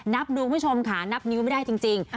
ดูคุณผู้ชมค่ะนับนิ้วไม่ได้จริง